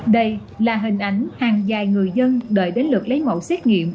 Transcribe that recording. đây là hình ảnh hàng dài người dân đợi đến lượt lấy mẫu xét nghiệm